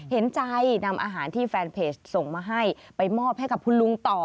เห็นใจนำอาหารที่แฟนเพจส่งมาให้ไปมอบให้กับคุณลุงต่อ